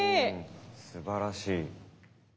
すばらしい。